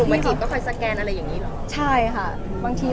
เพียรมกรีบก็คอยสแกนอะไรอย่างนี้หรอ